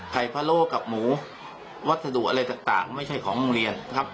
พะโลกับหมูวัสดุอะไรต่างไม่ใช่ของโรงเรียนครับ